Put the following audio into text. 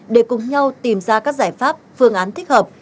để cùng nhau tìm ra các giải pháp phương án thích hợp